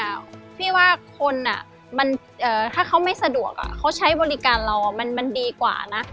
พี่ว่าคนถ้าเขาไม่สะดวกเขาใช้บริการเรามันดีกว่านะ